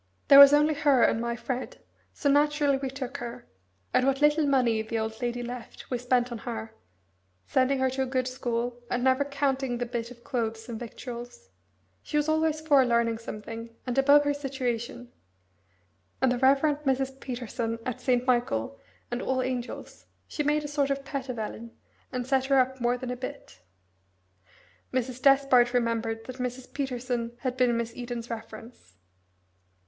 There was only her and my Fred, so naturally we took her, and what little money the old lady left we spent on her, sending her to a good school, and never counting the bit of clothes and victuals. She was always for learning something, and above her station, and the Rev. Mrs. Peterson at St. Michael, and All Angels she made a sort of pet of Ellen, and set her up, more than a bit." Mrs. Despard remembered that Mrs. Peterson had been Miss Eden's reference.